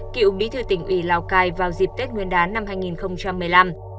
cựu bí thư tỉnh ủy lào cai vào dịp tết nguyên đán năm hai nghìn một mươi năm